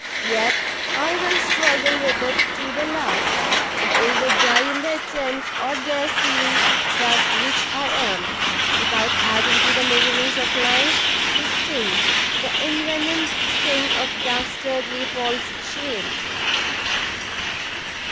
yet I will struggle with it to the last, and either die in the attempt, or dare seem that which I am, without adding to the miseries of life, the sting, the envenomed sting of dastardly false shame!"